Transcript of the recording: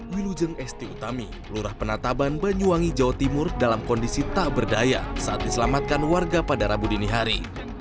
wilujeng esti utami lurah penataban banyuwangi jawa timur dalam kondisi tak berdaya saat diselamatkan warga pada rabu dini hari